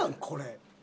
これ。